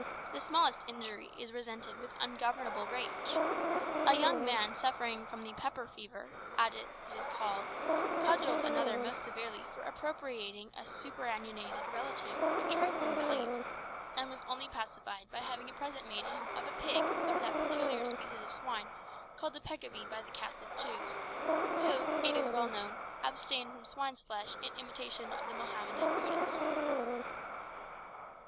The smallest injury is resented with ungovernable rage. A young man suffering from the pepper fever, as it is called, cudgeled another most severely for appropriating a superannuated relative of trifling value, and was only pacified by having a present made him of a pig of that peculiar species of swine called the Peccavi by the Catholic Jews, who, it is well known, abstain from swine's flesh in imitation of the Mohammedan Buddhists.